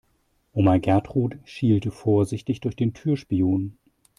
Oma Gertrud schielte vorsichtig durch den Türspion.